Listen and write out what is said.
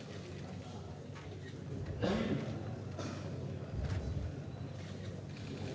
saya ingin menguatkan bahwa